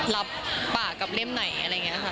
รับปากกับเล่มไหนอะไรอย่างนี้ค่ะ